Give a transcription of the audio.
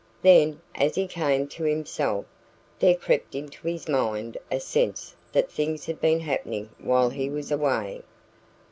Then, as he came to himself, there crept into his mind a sense that things had been happening while he was away.